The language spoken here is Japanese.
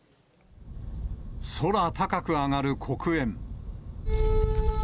空高く上がる黒煙。